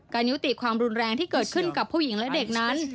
ยุติความรุนแรงที่เกิดขึ้นกับผู้หญิงและเด็กนั้น